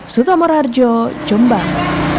sutomor harjo jombang